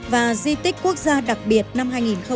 và di tích quốc gia đặc biệt năm hai nghìn một mươi chín